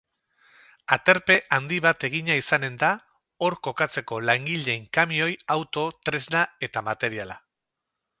Aterpe handi bat egina izanen da, hor kokatzeko langileen kamioi, auto, tresna eta materiala.